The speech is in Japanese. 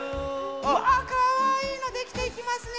うわかわいいのできていきますね